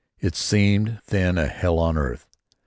It seemed then a hell on earth.